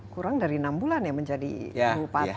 kurang dari enam bulan ya menjadi bupati